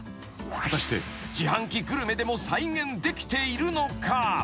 ［果たして自販機グルメでも再現できているのか？］